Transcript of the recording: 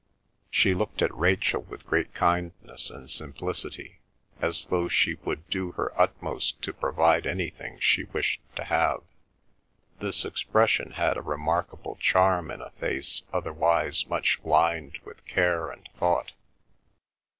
She looked at Rachel with great kindness and simplicity, as though she would do her utmost to provide anything she wished to have. This expression had a remarkable charm in a face otherwise much lined with care and thought.